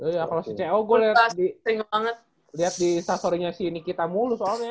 iya kalau si ceo gue liat di sasarinya si nikita mulu soalnya